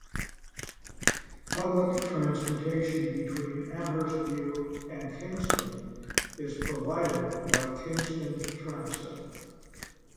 Public transportation between Amherstview and Kingston is provided by Kingston Transit.